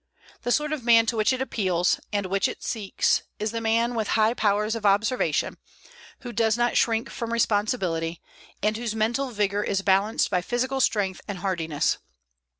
The sort of man to which it appeals, and which it seeks, is the man with high powers of observation, who does not shrink from responsibility, and whose mental vigor is balanced by physical strength and hardiness.